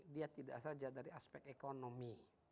dia tidak saja dari aspek ekonomi